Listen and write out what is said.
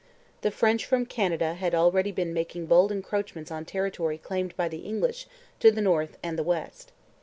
The French from Canada had already been making bold encroachments on territory claimed by the English to the north and the west.